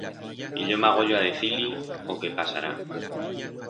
Y yo m'agoyo a decir-li o que pasará.